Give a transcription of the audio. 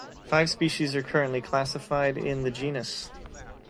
Five species are currently classified in the genus.